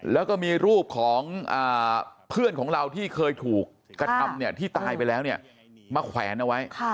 แล้วก็มีรูปของเพื่อนของเราที่เคยถูกกระทำที่ตายไปแล้วเนี่ยมาแขวนเอาไว้